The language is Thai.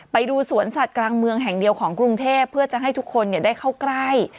ไปดูสวนสัตว์กลางเมืองแห่งเดียวของกรุงเทพเพื่อจะให้ทุกคนได้เข้าใกล้